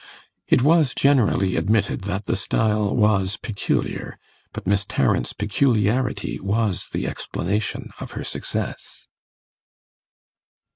It was generally admitted that the style was peculiar, but Miss Tarrant's peculiarity was the explanation of her success.